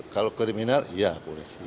kalau kriminal ya polisi